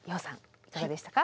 いかがでしたか？